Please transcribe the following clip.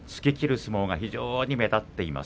相撲が非常に目立っています。